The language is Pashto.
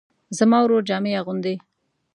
زما ورور جامې اغوندي